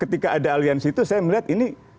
ketika ada aliansi itu saya melihat ini